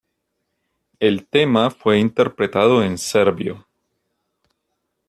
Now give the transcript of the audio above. El tema fue interpretado en serbio.